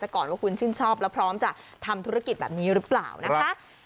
แต่ก่อนว่าคุณชื่นชอบแล้วพร้อมจะทำธุรกิจแบบนี้หรือเปล่านะคะ